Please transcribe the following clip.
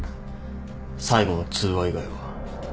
最後の通話以外は。